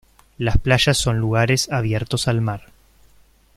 Las playas son lugares abiertos al mar.